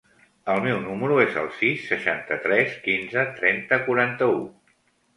El meu número es el sis, seixanta-tres, quinze, trenta, quaranta-u.